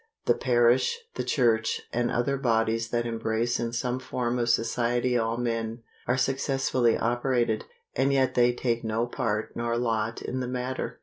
The parish, the Church, and other bodies that embrace in some form of society all men, are successfully operated, and yet they take no part nor lot in the matter.